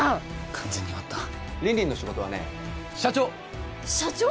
完全に終わったリンリンの仕事はね社長社長！？